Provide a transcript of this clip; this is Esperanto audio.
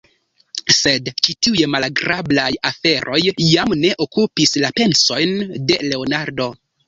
Sed ĉi tiuj malagrablaj aferoj jam ne okupis la pensojn de Leonardo.